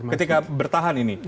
ketika bertahan ini